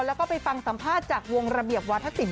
แล้วก็ไปฟังสัมภาษณ์จากวงระเบียบวาธศิลป